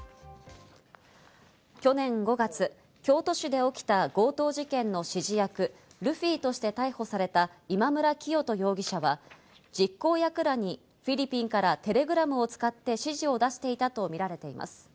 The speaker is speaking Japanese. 去年５月、京都市で起きた強盗事件の指示役・ルフィとして逮捕された今村磨人容疑者は実行役らにフィリピンからテレグラムを使って指示を出していたとみられています。